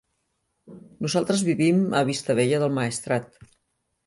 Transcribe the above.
Nosaltres vivim a Vistabella del Maestrat.